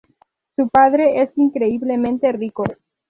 Su padre es increíblemente rico.